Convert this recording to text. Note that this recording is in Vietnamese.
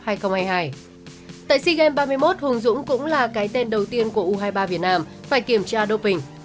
tại sea games ba mươi một hùng dũng cũng là cái tên đầu tiên của u hai mươi ba việt nam phải kiểm tra doping